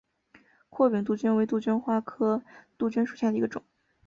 阔柄杜鹃为杜鹃花科杜鹃属下的一个种。